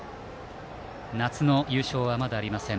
夏の優勝はまだありません。